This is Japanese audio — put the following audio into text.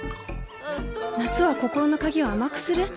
夏は心の鍵を甘くする？